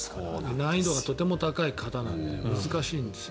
難易度がとても高い形なので難しいんですよ。